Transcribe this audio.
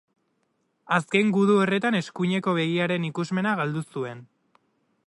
Azken gudu horretan eskuineko begiaren ikusmena galdu zuen.